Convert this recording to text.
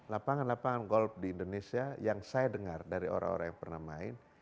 lapangan lapangan golf di indonesia yang saya dengar dari orang orang yang pernah main